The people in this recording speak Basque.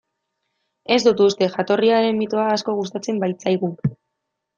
Ez dut uste, jatorriaren mitoa asko gustatzen baitzaigu.